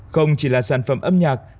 không chỉ là sản phẩm âm nhạc